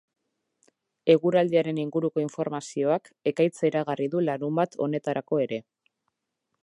Eguraldiaren inguruko informazioak ekaitza iragarri du larunbat honetarako ere.